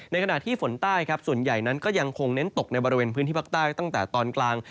ขณะที่ฝนใต้ครับส่วนใหญ่นั้นก็ยังคงเน้นตกในบริเวณพื้นที่ภาคใต้ตั้งแต่ตอนกลาง